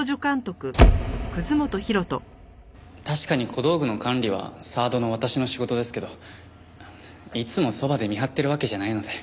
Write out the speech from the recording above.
確かに小道具の管理はサードの私の仕事ですけどいつもそばで見張ってるわけじゃないので。